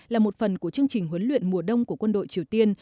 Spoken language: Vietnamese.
là một phần của chương trình huấn luyện mùa đông của quân đội triều tiên